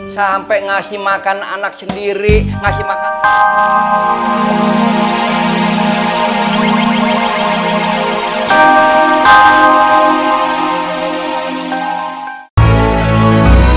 sampai ngasih makan anak sendiri